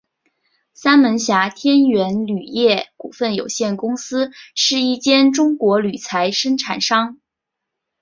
三门峡天元铝业股份有限公司是一间中国铝材生产商。